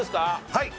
はい。